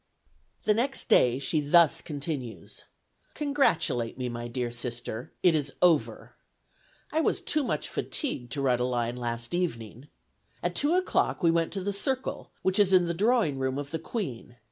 The next day she thus continues: "Congratulate me, my dear sister, it is over. I was too much fatigued to write a line last evening. At two o'clock we went to the circle, which is in the drawing room of the Queen.